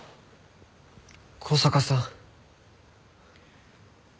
向坂さん。